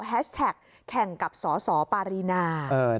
แท็กแข่งกับสสปารีนา